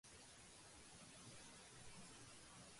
川崎市中原区には等々力陸上競技場があります。